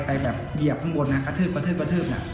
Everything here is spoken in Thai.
ไปแบบเหยียบข้างบนกระทืบน่ะ